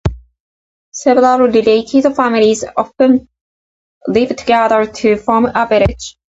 Several related families often live together to form a village.